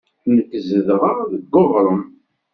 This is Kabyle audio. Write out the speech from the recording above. Nekk zedɣeɣ deg waɣrem.